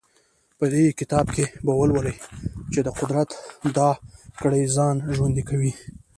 په دې کتاب کې به ولولئ چې د قدرت دا کړۍ ځان ژوندی کوي.